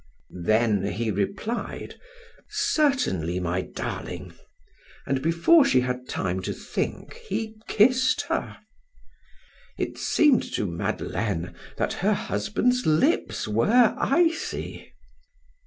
Then he replied: "Certainly, my darling," and before she had time to think he kissed her. It seemed to Madeleine that her husband's lips were icy.